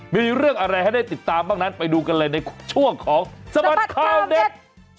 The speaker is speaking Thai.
มีเรื่องอะไรให้ได้ติดตามบ้างนั้นไปดูกันเลยในช่วงของสบัดข่าวเด็ด